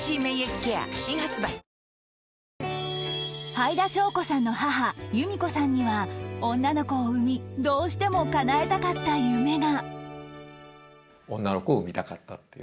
はいだしょうこさんの母由見子さんには女の子を産みどうしてもかなえたかった夢が